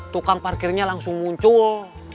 tukang parkirnya langsung muncul